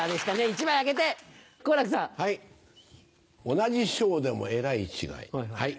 同じショウでもえらい違い。